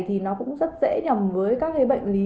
thì cũng nên rửa tay